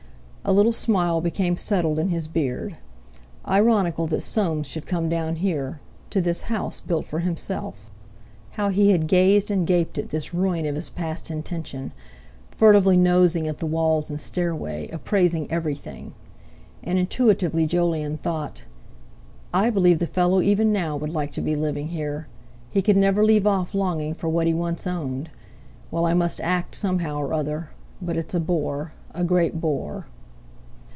A little smile became settled in his beard. Ironical that Soames should come down here—to this house, built for himself! How he had gazed and gaped at this ruin of his past intention; furtively nosing at the walls and stairway, appraising everything! And intuitively Jolyon thought: "I believe the fellow even now would like to be living here. He could never leave off longing for what he once owned! Well, I must act, somehow or other; but it's a bore—a great bore."